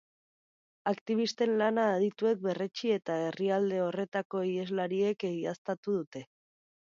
Aktibisten lana adituek berretsi eta herrialde horretako iheslariek egiaztatu dute.